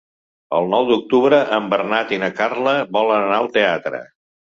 El nou d'octubre en Bernat i na Carla volen anar al teatre.